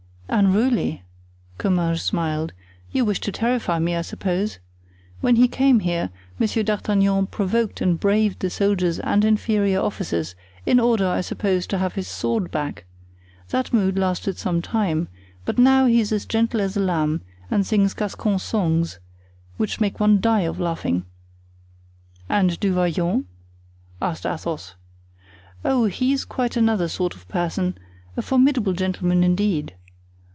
"Unruly," Comminges smiled; "you wish to terrify me, I suppose. When he came here, Monsieur D'Artagnan provoked and braved the soldiers and inferior officers, in order, I suppose, to have his sword back. That mood lasted some time; but now he's as gentle as a lamb and sings Gascon songs, which make one die of laughing." "And Du Vallon?" asked Athos. "Ah, he's quite another sort of person—a formidable gentleman, indeed.